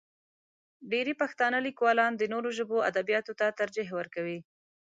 ډېری پښتانه لیکوالان د نورو ژبو ادبیاتو ته ترجیح ورکوي.